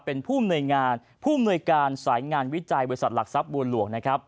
เป็นผู้อำนวยงานผู้อำนวยการสายงานวิจัยบริษัทหลักทรัพย์บัวหลวงนะครับ